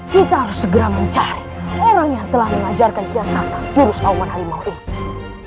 kita harus segera mencari orang yang telah mengajarkan kian santang jurus lawan animal ini